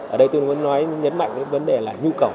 ở đây tôi muốn nói nhấn mạnh cái vấn đề là nhu cầu